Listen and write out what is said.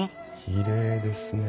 きれいですね。